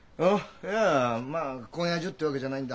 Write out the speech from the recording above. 今夜中ってわけじゃないんだ。